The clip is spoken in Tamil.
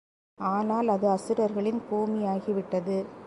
ஆனால் அது அசுரர்களின் பூமியாகிவிட்டது.